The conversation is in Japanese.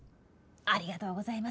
ありがとうございます。